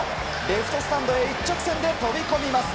レフトスタンドへ一直線で飛び込みます。